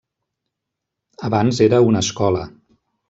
Abans era una escola.